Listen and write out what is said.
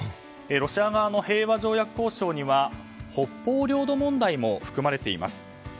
ロシア側の平和条約交渉には北方領土問題も含まれています。